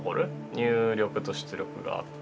入力と出力があって。